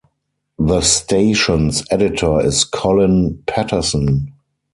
The station's editor is Colin Paterson.